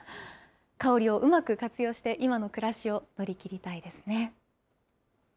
香りをうまく活用して、今の暮らしを乗り切りたいですね。